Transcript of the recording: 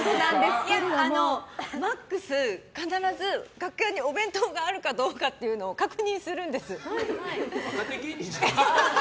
ＭＡＸ、必ず楽屋にお弁当があるかどうかを確認するんです。